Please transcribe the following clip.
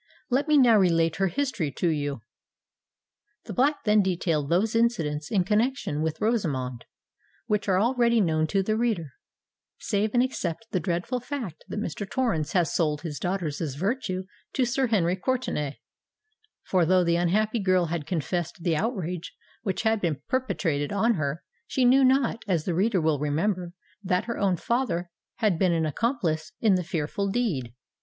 Let me now relate her history to you." The Black then detailed those incidents in connexion with Rosamond, which are already known to the reader—save and except the dreadful fact that Mr. Torrens had sold his daughter's virtue to Sir Henry Courtenay; for though the unhappy girl had confessed the outrage which had been perpetrated on her, she knew not—as the reader will remember—that her own father had been an accomplice in the fearful deed.